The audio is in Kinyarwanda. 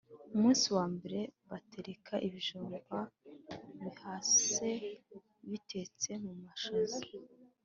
Umunsi wa mbere bateka ibijumba bihase bitetse mu mashaza.